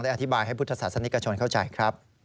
อธิบายให้พุทธศาสนิกชนเข้าใจครับ